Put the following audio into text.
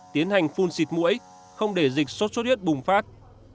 tiến hành phun xịt mũi không để dịch sốt xuất huyết bùng phát